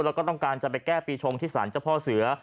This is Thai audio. แล้วก็ต้องการจะไปแก้ปีชงที่สารเจ้าพ่อเสือ